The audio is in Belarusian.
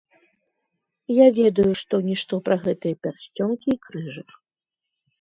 Я ведаю што-нішто пра гэтыя пярсцёнкі і крыжык.